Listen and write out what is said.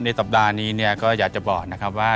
สัปดาห์นี้เนี่ยก็อยากจะบอกนะครับว่า